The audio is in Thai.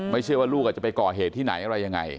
เชื่อว่าลูกอาจจะไปก่อเหตุที่ไหนอะไรยังไง